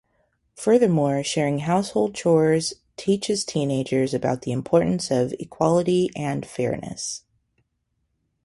Furthermore, sharing household chores teaches teenagers about the importance of equality and fairness.